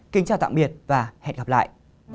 kính chào tạm biệt và hẹn gặp lại